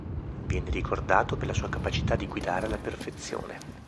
Viene ricordato per la sua capacità di guidare alla perfezione.